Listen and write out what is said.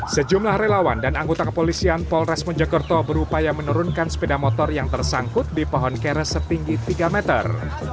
sejumlah relawan dan anggota kepolisian polres mojokerto berupaya menurunkan sepeda motor yang tersangkut di pohon keres setinggi tiga meter